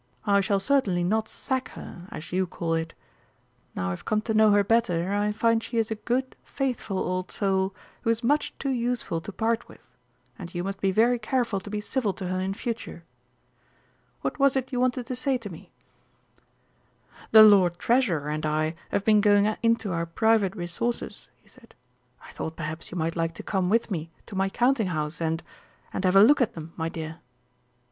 I shall certainly not 'sack' her, as you call it. Now I've come to know her better, I find she is a good, faithful old soul who is much too useful to part with, and you must be very careful to be civil to her in future. What was it you wanted to say to me?" "The Lord Treasurer and I have been going into our private resources," he said. "I thought perhaps you might like to come with me to my Counting house and and have a look at 'em, my dear."